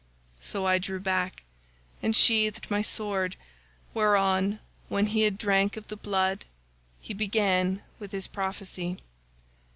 "So I drew back, and sheathed my sword, whereon when he had drank of the blood he began with his prophecy.